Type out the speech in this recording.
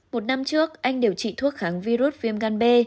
một năm trước anh điều trị thuốc kháng virus viêm gan b